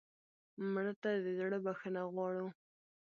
مړه ته د زړه بښنه غواړو